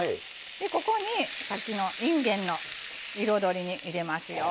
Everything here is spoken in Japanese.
ここにさっきのいんげんの彩り入れますよ。